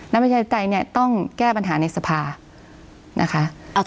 ประชาธิปไตยเนี่ยต้องแก้ปัญหาในสภานะคะ